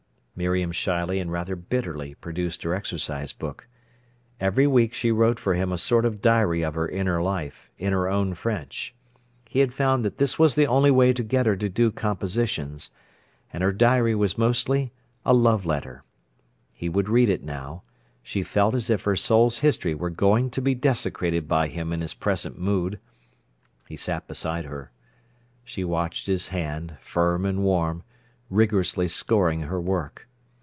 Miriam shyly and rather bitterly produced her exercise book. Every week she wrote for him a sort of diary of her inner life, in her own French. He had found this was the only way to get her to do compositions. And her diary was mostly a love letter. He would read it now; she felt as if her soul's history were going to be desecrated by him in his present mood. He sat beside her. She watched his hand, firm and warm, rigorously scoring her work.